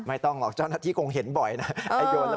ไม่ต้องหรอกเจ้าหน้าที่คงเห็นบ่อยนะ